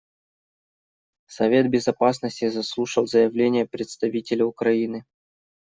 Совет Безопасности заслушал заявление представителя Украины.